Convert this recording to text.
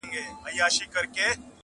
چي نیکونو به ویله بس همدغه انقلاب دی-